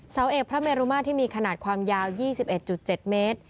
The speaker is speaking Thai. เสาเอกพระเมรุมาตรที่มีขนาดความยาว๒๑๗เมตร